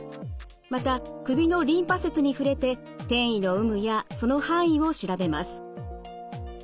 また首のリンパ節に触れて転移の有無やその範囲を調べます。